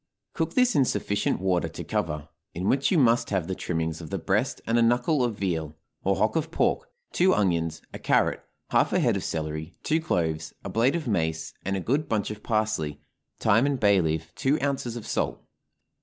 Cook this in sufficient water to cover, in which you must have the trimmings of the breast and a knuckle of veal, or hock of pork, two onions, a carrot, half a head of celery, two cloves, a blade of mace, and a good bunch of parsley, thyme and bay leaf, two ounces of salt.